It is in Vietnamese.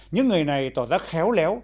những người này tỏ ra khéo léo